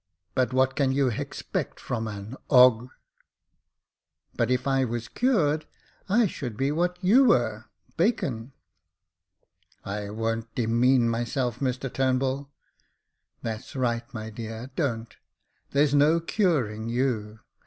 But what can you ^expect from an 'eg ?"But if I was cured, I should be what you were — Bacon." " I won't demean myself, Mr Turnbull." That's right, my dear, don't ; there's no curing you.